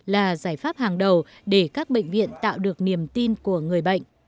là giải pháp hàng đầu để các bệnh viện tạo được niềm tin của người bệnh